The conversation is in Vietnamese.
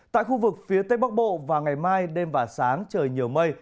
tại khu vực phía tây bắc bộ vào ngày mai đêm và sáng trời nhiều mây